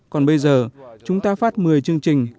còn bây giờ chúng ta phát một mươi chương trình